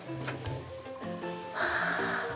ああ！